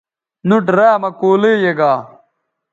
نُوٹ را مہ کولئ یے گا